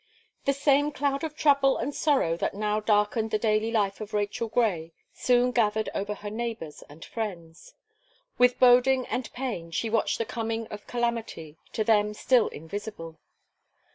The same cloud of trouble and sorrow that now darkened the daily life of Rachel Gray, soon gathered over her neighbours and friends. With boding and pain, she watched the coming of a calamity, to them still invisible.